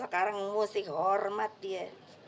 sekarang mesti hormat dia